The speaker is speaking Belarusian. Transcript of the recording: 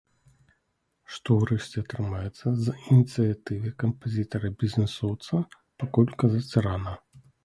Што ўрэшце атрымаецца з ініцыятывы кампазітара-бізнэсоўца, пакуль казаць рана.